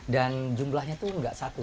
dan jumlahnya itu enggak satu